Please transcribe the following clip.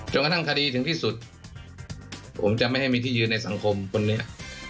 กระทั่งคดีถึงที่สุดผมจะไม่ให้มีที่ยืนในสังคมคนนี้